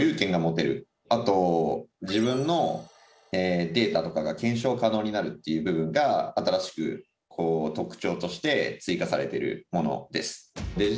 あと自分のデータとかが検証可能になるっていう部分が新しく特徴として追加されてるものです。